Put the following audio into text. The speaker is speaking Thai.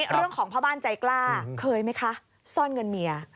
เรื่องของพ่อบ้านใจกล้าเคยไหมคะซ่อนเงินเมีย